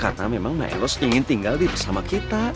karena memang mak elos ingin tinggal di bersama kita